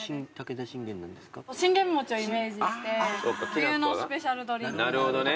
信玄餅をイメージして冬のスペシャルドリンクになります。